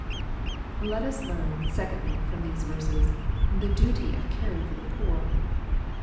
Let us learn, secondly, from these verses, the duty of caring for the poor.